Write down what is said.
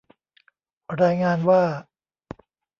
รายงานว่า